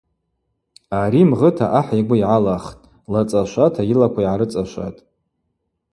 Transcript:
Ари мгъыта ахӏ йгвы йгӏалахтӏ, лацӏашвата йылаква йгӏарыцӏашватӏ.